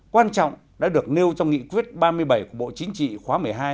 quan trọng đã được nêu trong nghị quyết ba mươi bảy của bộ chính trị khóa một mươi hai